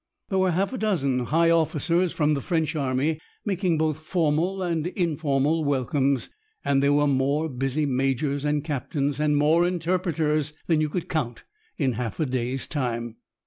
There were half a dozen high officers from the French Army, making both formal and informal welcomes, and there were more busy majors and captains and more interpreters than you could count in half a day's time.